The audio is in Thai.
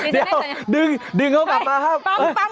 เดี๋ยวดึงเขากลับมาครับ